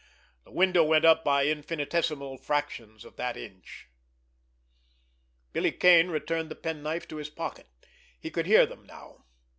The window went up by infinitesimal fractions of that inch. Billy Kane returned the penknife to his pocket. He could hear them now.